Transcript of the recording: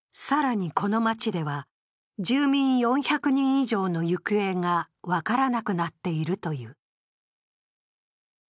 更に、この街では住民４００人以上の行方が分からなくなっているという。